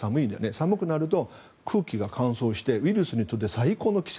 寒くなると空気が乾燥してウイルスにとって最高の季節。